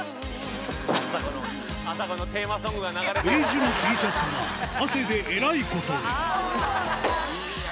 ベージュのＴシャツも汗でえらいことにいい汗。